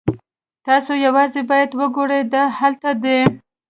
تاسو یوازې باید وګورئ دا هلته دی